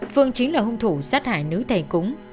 phương chính là hung thủ sát hại nữ thầy cúng